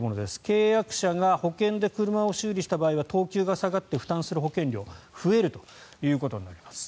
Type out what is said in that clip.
契約者が保険で車を修理した場合は等級が下がって負担する保険料が増えるということになります。